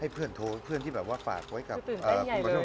เพื่อนที่พาเจ้าไว้กับตื่นใจใหญ่เลย